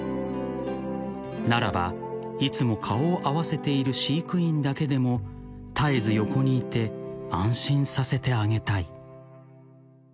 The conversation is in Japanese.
［ならばいつも顔を合わせている飼育員だけでも絶えず横にいて安心させてあげたい］